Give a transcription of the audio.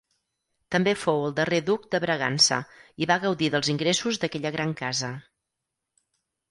També fou el darrer Duc de Bragança i va gaudir dels ingressos d'aquella gran casa.